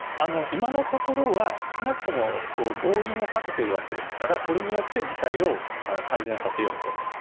今のところは少なくとも動員をかけているわけですからそれによって事態を改善させようと。